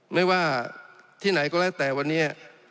ไม่ว่าที่ไหนก็แล้วแต่วันนี้